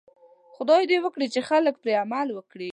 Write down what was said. خدای دې وکړي خلک پرې عمل وکړي.